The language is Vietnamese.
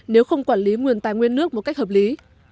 nếu không quản lý nguồn tài nguyên nước một cách hợp lý